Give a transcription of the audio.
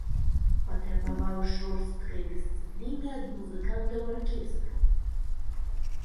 Патрабаваў жорсткай дысцыпліны ад музыкантаў аркестру.